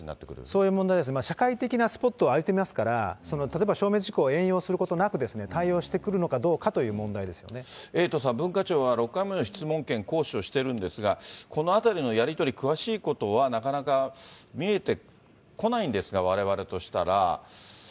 そういう問題ですね、社会的なスポットを相手見ますから、社会的な事項を援用することなく対応してくるのかどうか問題でエイトさん、文化庁は６回目の質問権行使をしているんですが、このあたりのやり取り、詳しいことはなかなか見えてこないんですが、われわれとしたら。